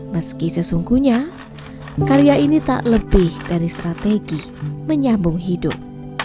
meski sesungguhnya karya ini tak lebih dari strategi menyambung hidup